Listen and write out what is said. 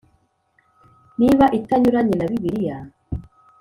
Niba itanyuranye na Bibiliya